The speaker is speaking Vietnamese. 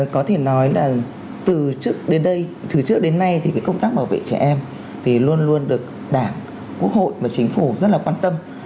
có thể nói là từ trước đến nay thì cái công tác bảo vệ trẻ em thì luôn luôn được đảng quốc hội và chính phủ rất là quan tâm